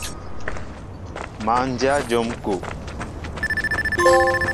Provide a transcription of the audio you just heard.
Má ndyă njóm kúw.